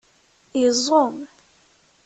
Iẓum